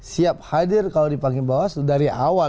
siap hadir kalau dipanggil bawaslu dari awal